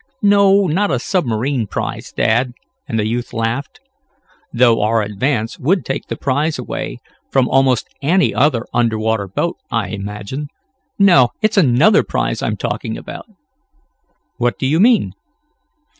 "No, not a submarine prize, dad," and the youth laughed. "Though our Advance would take the prize away from almost any other under water boat, I imagine. No, it's another prize I'm thinking about." "What do you mean?"